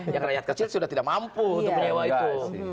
yang rakyat kecil sudah tidak mampu untuk menyewa itu